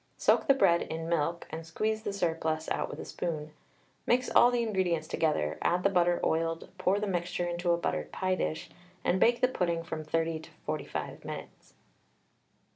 Soak the bread in milk, and squeeze the surplus out with a spoon. Mix all the ingredients together, add the butter oiled, pour the mixture into a buttered pie dish, and bake the pudding from 30 to 45 minutes.